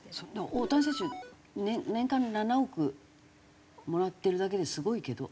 大谷選手年間７億もらってるだけですごいけど。